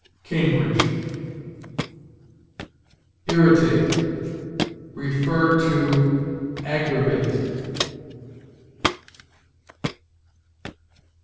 Cambridge. IRRITATE. See AGGRAVATE.